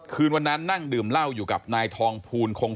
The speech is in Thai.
คืนวันนั้นนั่งดื่มเหล้าอยู่กับนายทองภูลคง